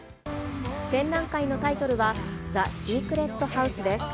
展覧会のタイトルは、ザ・シークレット・ハウスです。